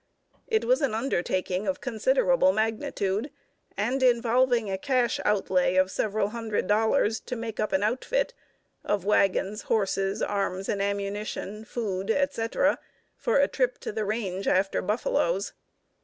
It was an undertaking of considerable magnitude, and involving a cash outlay of several hundred dollars to make up an "outfit" of wagons, horses, arms and ammunition, food, etc., for a trip to "the range" after buffaloes.